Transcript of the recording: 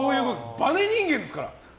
バネ人間ですから。